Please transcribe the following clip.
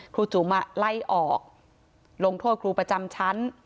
ครูจุ๋มไล่ออกลงโทษครูประจำชั้น